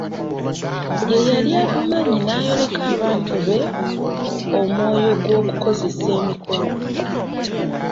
Ye yali agumanyi n'ayoleka abantu be omwoyo gw'okukozesa emikono.